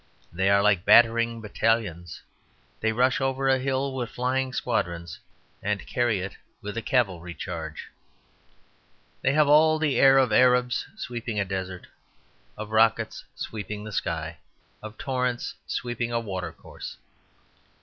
They are like battering battalions; they rush over a hill with flying squadrons and carry it with a cavalry charge. They have all the air of Arabs sweeping a desert, of rockets sweeping the sky, of torrents sweeping a watercourse.